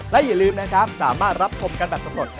และอย่าลืมนะครับสามารถรับชมกันแบบสำรวจ